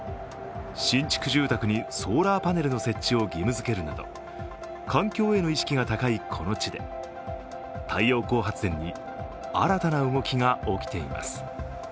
新築住宅にソーラーパネルの設置を義務づけるなど環境への意識が高いこの地で、太陽光発電に新たな動きが起きています。